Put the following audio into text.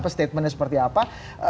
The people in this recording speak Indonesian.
statementnya seperti apa